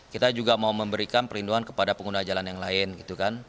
kita juga mau memberikan perlindungan kepada pengguna jalan yang lalu